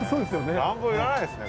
暖房いらないですね